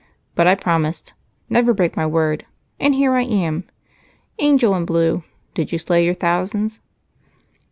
But I promised never break my word and here I am. Angel in blue, did you slay your thousands?"